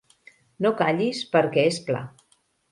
No callis perquè és pla.